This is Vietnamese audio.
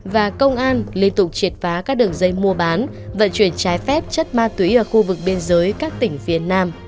và công an liên tục triệt phá các đường dây mua bán vận chuyển trái phép chất ma túy ở khu vực biên giới các tỉnh phía nam